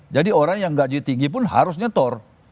jadi orang yang gaji tinggi pun harusnya thor